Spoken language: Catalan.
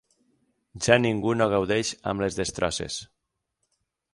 Ja ningú no gaudeix amb les destrosses.